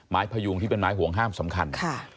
พยุงที่เป็นไม้ห่วงห้ามสำคัญ